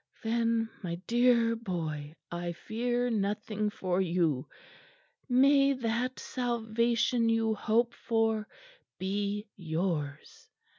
"Then, my dear boy, I fear nothing for you. May that salvation you hope for be yours."